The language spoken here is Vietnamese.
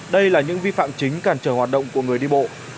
đây là những vi phạm chính cản trở hoạt động của người đi bộ